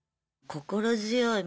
心強い。